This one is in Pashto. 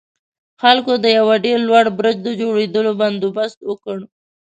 خلکو د يوه ډېر لوړ برج د جوړولو بندوبست وکړ.